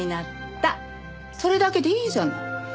それだけでいいじゃない。